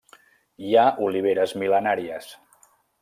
Hi ha oliveres mil·lenàries.